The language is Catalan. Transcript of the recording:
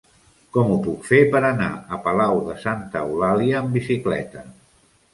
Com ho puc fer per anar a Palau de Santa Eulàlia amb bicicleta?